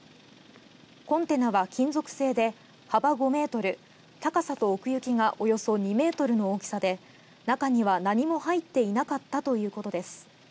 コンテナは金属製で幅５ｍ、高さと奥行きがおよそ２ｍの大きさで中には何も入っていなかったということです。